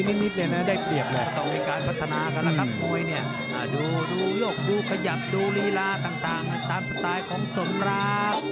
นี่เป็นเกณฑ์ยกแรกแล้วครับ